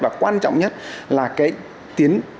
và quan trọng nhất là cái tiến